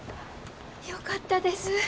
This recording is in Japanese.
よかったです。